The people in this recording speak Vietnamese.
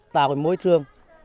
tạo một môi trường